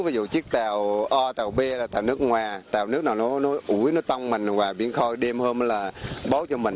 ví dụ chiếc tàu o tàu b là tàu nước ngoài tàu nước nào nó ủi nó tông mình vào biển khoi đêm hôm đó là bóp cho mình